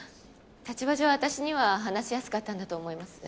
立場上私には話しやすかったんだと思います。